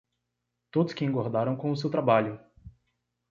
Todos que engordaram com o seu trabalho!